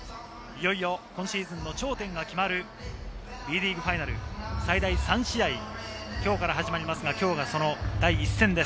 いよいよ、今シーズンの頂点が決まるＢリーグファイナル、最大３試合、今日から始まりますが今日がその第１戦。